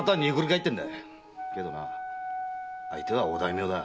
けどな相手はお大名だ。